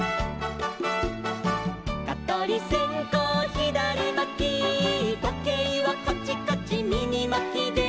「かとりせんこうひだりまき」「とけいはカチカチみぎまきで」